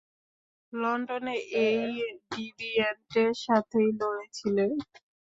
লন্ডনে এই ডিভিয়েন্টের সাথেই লড়েছিলে?